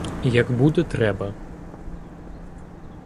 Як буде треба.